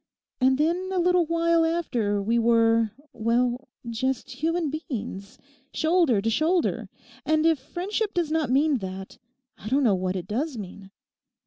And then a little while after we were, well, just human beings, shoulder to shoulder, and if friendship does not mean that, I don't know what it does mean.